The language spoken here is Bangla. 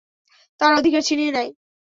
তার অধিকার ছিনিয়ে নেয়।